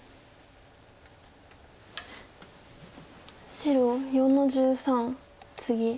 白４の十三ツギ。